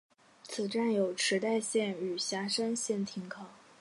此站有池袋线与狭山线停靠。